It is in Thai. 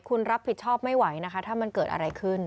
คุณรับผิดชอบไม่ไหวนะคะถ้ามันเกิดอะไรขึ้น